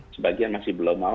sebagian masih belum mau